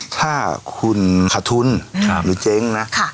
ถ้าคุณขาดทุนหรือเจ๊งนะ